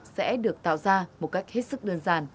sẽ được tạo ra một cách hết sức đơn giản